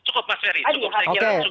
cukup mas verdi